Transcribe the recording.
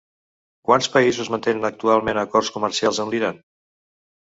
Quants països mantenen actualment acords comercials amb l'Iran?